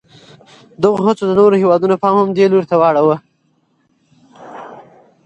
دغو هڅو د نورو هېوادونو پام هم دې لوري ته واړاوه.